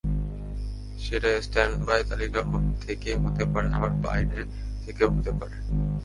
সেটা স্ট্যান্ডবাই তালিকা থেকে হতে পারে, আবার বাইরে থেকেও হতে পারে।